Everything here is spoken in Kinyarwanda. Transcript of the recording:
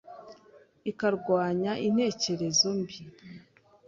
ikarwanya n’intekerezo mbi